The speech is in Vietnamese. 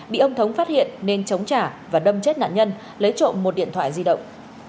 bị ông thống phát hiện nên chống trả và đâm chết nạn nhân lấy trộm một điện thoại di động